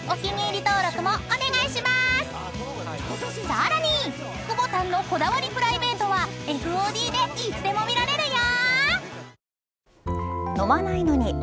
［さらにくぼたんのこだわりプライベートはＦＯＤでいつでも見られるよ］